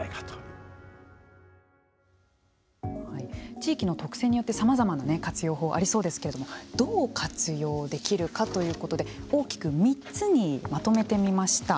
地域の特性によってさまざまな活用法がありそうですけれどもどう活用できるかということで大きく３つにまとめてみました。